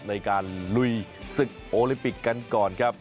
ในการลุยศึกโอลิมปิกกันก่อนครับ